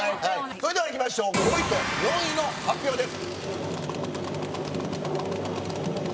それではいきましょう５位と４位の発表です。